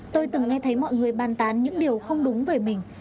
tôi từng nghe thấy mọi người bàn tán những điều không đúng về mình